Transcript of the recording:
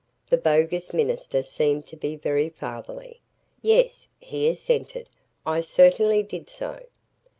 The bogus minister seemed to be very fatherly. "Yes," he assented, "I certainly did so."